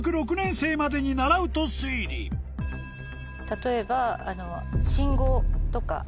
例えば。